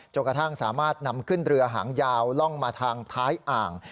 กระทั่งสามารถนำขึ้นเรือหางยาวล่องมาทางท้ายอ่าง